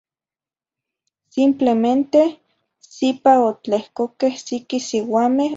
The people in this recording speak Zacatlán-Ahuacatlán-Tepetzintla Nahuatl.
Simplemente sipa otlehcoqueh siqui siuameh otlatzilinitoh.